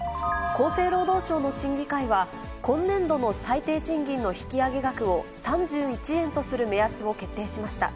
厚生労働省の審議会は、今年度の最低賃金の引き上げ額を３１円とする目安を決定しました。